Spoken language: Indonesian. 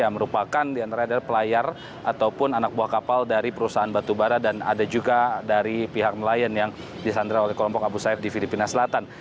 yang merupakan diantara adalah pelayar ataupun anak buah kapal dari perusahaan batubara dan ada juga dari pihak nelayan yang disandra oleh kelompok abu sayyaf di filipina selatan